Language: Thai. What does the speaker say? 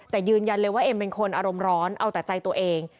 แต่ยืนยันเลยว่าเอ็มเป็นคนอารมณ์ร้อนเอาแต่ใจตัวเอง